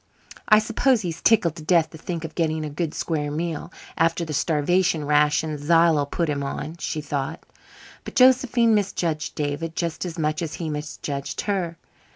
"I suppose he's tickled to death to think of getting a good square meal, after the starvation rations Zillah puts him on," she thought. But Josephine misjudged David just as much as he misjudged her.